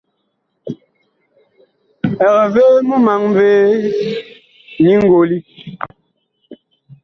Eg vee mumaŋ vee nyi ngoli?